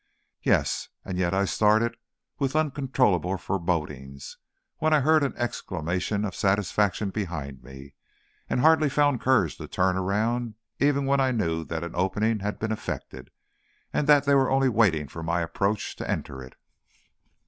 Yes; and yet I started with uncontrollable forebodings, when I heard an exclamation of satisfaction behind me, and hardly found courage to turn around, even when I knew that an opening had been effected, and that they were only waiting for my approach to enter it.